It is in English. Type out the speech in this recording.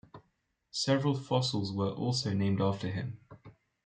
Several fossils were also named after him.